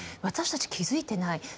「私たち気付いてない。